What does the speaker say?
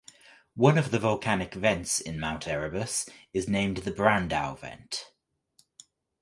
One of the volcanic vents in Mount Erebus is named the Brandau Vent.